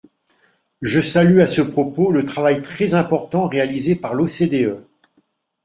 Je salue à ce propos le travail très important réalisé par l’OCDE.